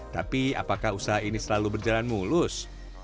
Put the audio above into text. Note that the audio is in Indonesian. tapi apakah usaha ini selalu berjalan mulus